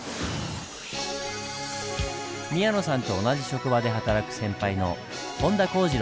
宮野さんと同じ職場で働く先輩の本田浩二郎さん。